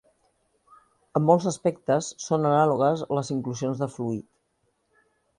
En molts aspectes són anàlogues a les inclusions de fluid.